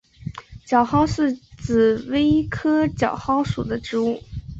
角蒿是紫葳科角蒿属的植物。